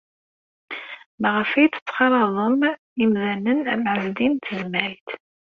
Maɣef ay tettxalaḍem imdanen am Ɛezdin n Tezmalt?